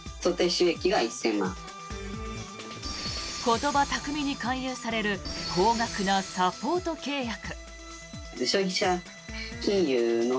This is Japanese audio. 言葉巧みに勧誘される高額なサポート契約。